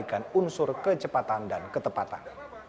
untuk menambahkan unsur kecepatan dan ketepatan